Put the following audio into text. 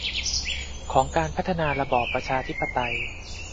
ของการพัฒนาระบอบประชาธิปไตย